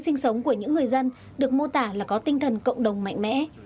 sinh sống của những người dân được mô tả là có tinh thần cộng đồng mạnh mẽ